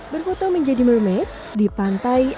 berfoto menjadi mermaid di pantai